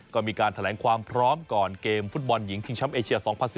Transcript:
ก็มีการแถลงความพร้อมก่อนเกมฟุตบอลหญิงชิงช้ำเอเชีย๒๐๑๙